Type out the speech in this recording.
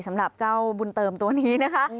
สำหรับเจ้าบุญเติมตัวนี้นะคะ